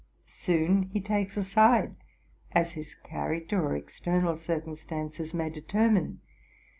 Soon he takes a side, as his character or external cireum stances may determine.